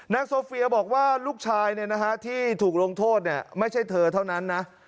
โซเฟียบอกว่าลูกชายที่ถูกลงโทษไม่ใช่เธอเท่านั้นนะ